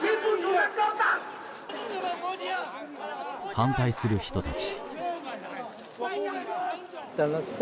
反対する人たち。